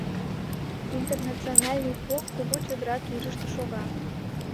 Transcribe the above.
Интернациональный полк кугу чодыра тӱрыштӧ шога.